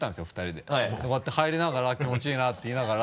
でこうやって入りながら「気持ちいいな」って言いながら。